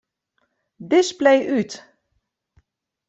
Display út.